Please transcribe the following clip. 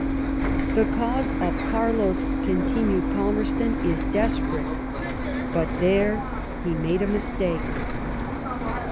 "The cause of Carlos,'* continued Palmerston, "is desperate *'; but there he made a mistake.